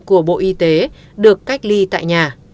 của bộ y tế được cách ly tại nhà